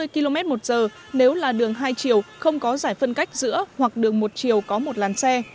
sáu mươi km một giờ nếu là đường hai chiều không có giải phân cách giữa hoặc đường một chiều có một làn xe